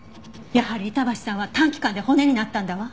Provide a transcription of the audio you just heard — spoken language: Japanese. やはり板橋さんは短期間で骨になったんだわ。